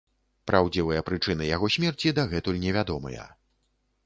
Праўдзівыя прычыны яго смерці дагэтуль невядомыя.